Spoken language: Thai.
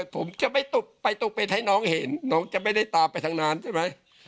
ผมจะไปตกเป็นให้น้องเห็นน้องจะไม่ได้ตามไปทางนั้นใช่ไหม